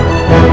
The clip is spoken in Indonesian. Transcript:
aku mau pergi